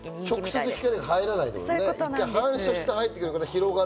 直接入れないってことね。